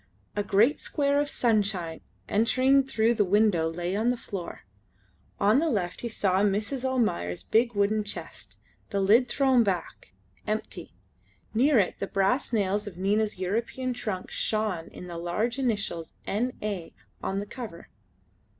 A great square of sunshine entering through the window lay on the floor. On the left he saw Mrs. Almayer's big wooden chest, the lid thrown back, empty; near it the brass nails of Nina's European trunk shone in the large initials N. A. on the cover.